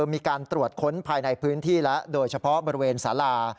มีการตรวจค้นภายในพื้นที่แล้วโดยเฉพาะบริเวณสารา